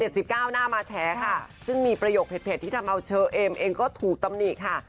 ๗๙หน้ามาแช้ค่ะซึ่งมีประโยคเผ็ดที่ทำเอาเชอเอมเองก็ถูกตำหนิคค่ะ